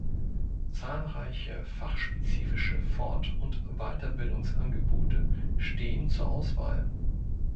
Zahlreiche fachspezifische Fort- und Weiterbildungsangebote stehen zur Auswahl.